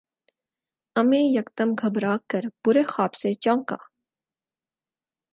امیں یکدم گھبرا کر برے خواب سے چونکا